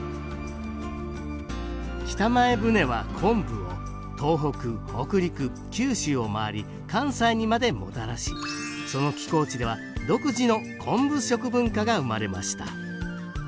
北前船は昆布を東北北陸九州を回り関西にまでもたらしその寄港地では独自の昆布食文化が生まれました。